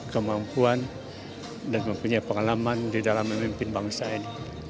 kemampuan dan mempunyai pengalaman di dalam memimpin bangsa ini